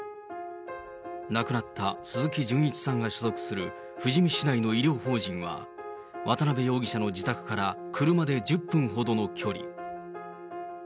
亡くなった鈴木純一さんが所属する富士見市内の医療法人は、渡辺容疑者の自宅から車で１０分ほどの距離。